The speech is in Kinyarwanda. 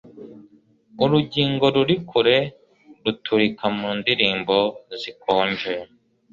urugingo ruri kure ruturika mu ndirimbo zikonje